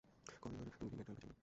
কতদিন ধরে তুমি লিনেট ডয়েলকে চেনো?